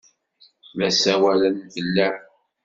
La ssawalen fell-am.